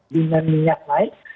dengan minyak naik